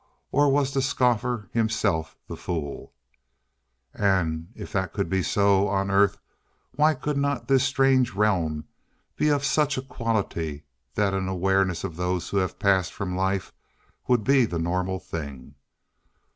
Or was the scoffer himself the fool? And if that could be so, on Earth, why could not this strange realm be of such a quality that an awareness of those who have passed from life would be the normal thing?